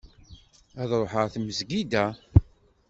Ad ruḥeɣ ɣer tmezgida.